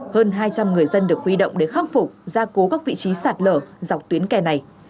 hơn hai trăm linh người dân được huy động để khắc phục gia cố các vị trí sạt lở dọc tuyến kè này